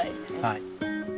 はい。